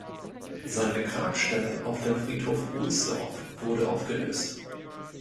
Seine Grabstelle auf dem Friedhof Ohlsdorf wurde aufgelöst.